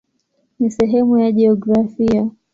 Ni sehemu ya jiografia.